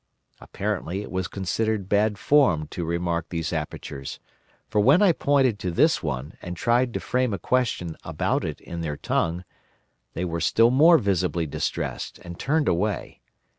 Apparently it was considered bad form to remark these apertures; for when I pointed to this one, and tried to frame a question about it in their tongue, they were still more visibly distressed and turned away.